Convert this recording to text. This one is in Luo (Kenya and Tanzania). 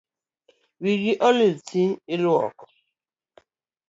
Wang’i olil dhi iluoki